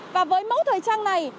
và với mẫu thời trang này